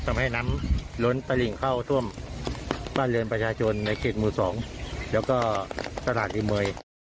ทำให้น้ำล้นตลิ่งเข้าท่วมบ้านเรือนประชาชนในเขตหมู่๒แล้วก็ตลาดอีเมย์